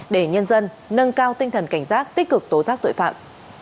để nhân dân nâng cao tinh thần cảnh giác tích cực tố giác tội phạm